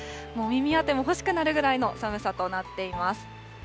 もう耳当ても欲しくなるぐらいの寒さとなっています。